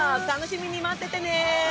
楽しみに待っててね！